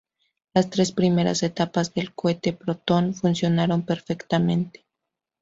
Las tres primeras etapas del cohete Proton funcionaron perfectamente.